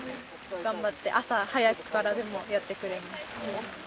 頑張って、朝早くからでもやってくれて。